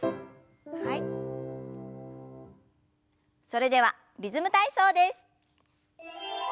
それでは「リズム体操」です。